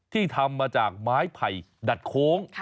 ที่ทำมาจากไม้ไผ่ดัดโค้ง